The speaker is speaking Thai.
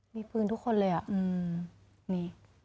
มีพื้นทุกคนเลยอะ